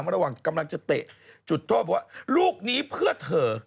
ระหว่างกำลังจะเตะจุดโทษบอกว่าลูกนี้เพื่อเธอ